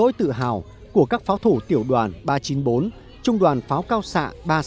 tôi tự hào của các pháo thủ tiểu đoàn ba trăm chín mươi bốn trung đoàn pháo cao xạ ba trăm sáu mươi